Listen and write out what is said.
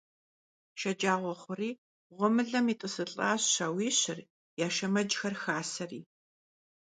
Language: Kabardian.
Şşecağue xhuri, ğuemılem yêt'ısılh'aş şauişır, ya şşemecxer xaseri.